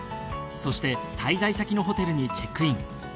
そして滞在先のホテルにチェックイン。